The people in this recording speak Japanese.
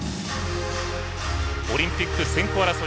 オリンピック選考争い